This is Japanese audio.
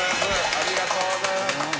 ありがとうございます。